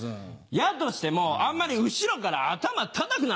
やとしてもあんまり後ろから頭たたくな！